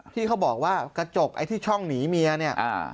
ที่เขาบอกว่ากระจกที่ช่องหนีเมีย